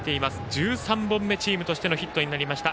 １３本目、チームとしてのヒットになりました。